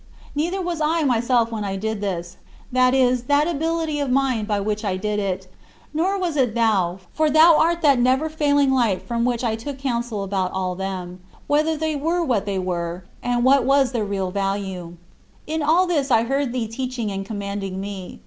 Neither was I myself when I did this that is, that ability of mine by which I did it nor was it thou, for thou art that never failing light from which I took counsel about them all; whether they were what they were, and what was their real value. In all this I heard thee teaching and commanding me.